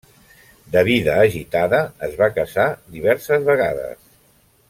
De vida agitada, es va casar diverses vegades.